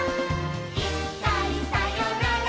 「いっかいさよなら